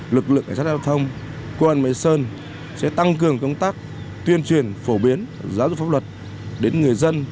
lực lượng cảnh sát giao thông công an huyện mai sơn sẽ tăng cường công tác tuyên truyền phổ biến giáo dục pháp luật đến người dân